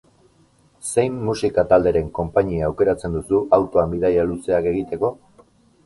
Zein musika talderen konpainia aukeratzen duzu autoan bidaia luzeak egiteko?